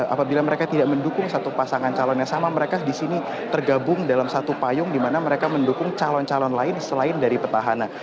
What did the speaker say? apabila mereka tidak mendukung satu pasangan calon yang sama mereka di sini tergabung dalam satu payung di mana mereka mendukung calon calon lain selain dari petahana